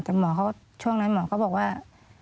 แต่หมอเขาช่วงนั้นหมอก็บอกว่า